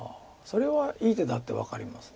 それはいい手だって分かります。